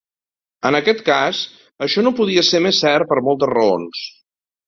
En aquest cas, això no podria ser més cert per moltes raons.